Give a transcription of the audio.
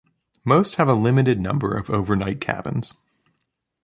Most have a limited number of overnight cabins.